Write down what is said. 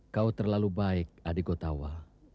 kau terlalu baik adik kotawa